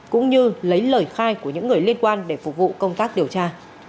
cũng như lấy lời khai của những người liên quan để phục vụ công tác điều tra